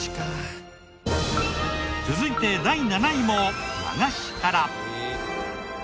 続いて第７位も和菓子から。